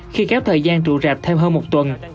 khi kéo thời gian rụ rạp thêm hơn một tuần